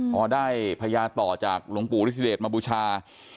พอได้พญาต่อจากหลวงปู่ฤทธิเดชมาบูชา